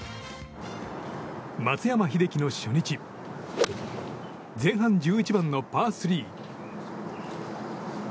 松山英樹の初日前半１１番のパー３。